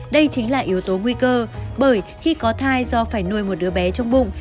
đây chính là yếu tố nguy cơ bởi khi có thai do phải nuôi một đứa bé trong bụng